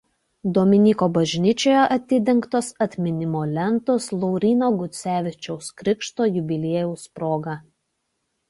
Domininko bažnyčioje atidengtos atminimo lentos Lauryno Gucevičiaus krikšto jubiliejaus proga.